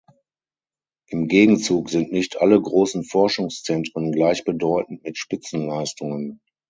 Im Gegenzug sind nicht alle großen Forschungszentren gleichbedeutend mit Spitzenleistungen.